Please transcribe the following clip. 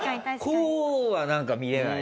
こうはなんか見れない。